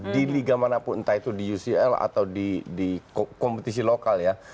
di liga manapun entah itu di ucl atau di kompetisi lokal ya